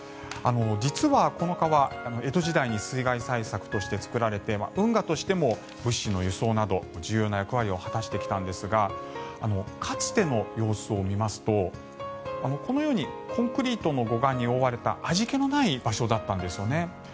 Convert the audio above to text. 実はこの川、江戸時代に水害対策として作られて運河としても物資の輸送など重要な役割を果たしてきたんですがかつての様子を見ますとこのようにコンクリートの護岸に覆われた味気のない場所だったんですよね。